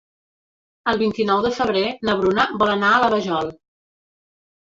El vint-i-nou de febrer na Bruna vol anar a la Vajol.